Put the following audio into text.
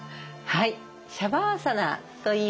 はい。